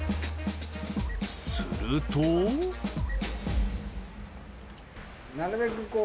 するとなるべくこう。